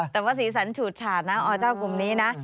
แต่ว่าสีสันฉูดฉาดนะอเจ้ากลุ่มนี้นะ